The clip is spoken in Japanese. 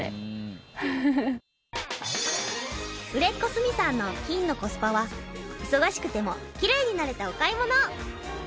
売れっ子鷲見さんの金のコスパは忙しくても奇麗になれたお買い物